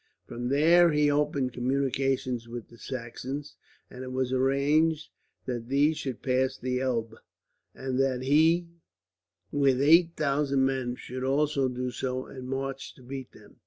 From there he opened communications with the Saxons, and it was arranged that these should pass the Elbe; and that he, with 8000 men, should also do so, and march to meet them.